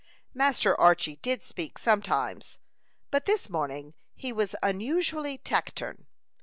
Master Archy did speak sometimes, but this morning he was unusually taciturn.